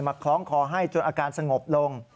คล้องคอให้จนอาการสงบลง